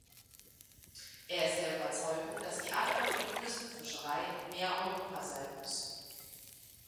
Er ist der Überzeugung, dass die Antwort für die Küstenfischerei mehr Europa sein muss.